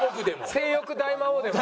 性欲大魔王でも？